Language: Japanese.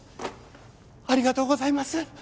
ありがとうございます。